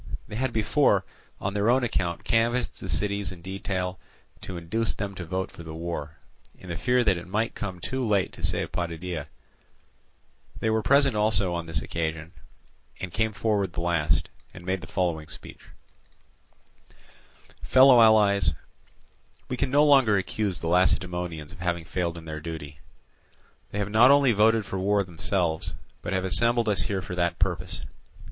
They had before on their own account canvassed the cities in detail to induce them to vote for the war, in the fear that it might come too late to save Potidæa; they were present also on this occasion, and came forward the last, and made the following speech: "Fellow allies, we can no longer accuse the Lacedaemonians of having failed in their duty: they have not only voted for war themselves, but have assembled us here for that purpose.